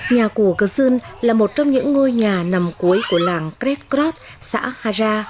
nhà của cơ dung là một trong những ngôi nhà nằm cuối của làng kretkrod xã hara